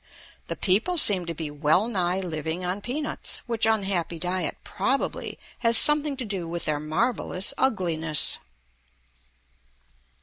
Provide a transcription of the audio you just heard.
The people seem to be well nigh living on peanuts, which unhappy diet probably has something to do with their marvellous ugliness.